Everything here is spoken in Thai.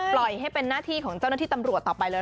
ปล่อยให้เป็นหน้าที่ของเจ้าหน้าที่ตำรวจต่อไปเลย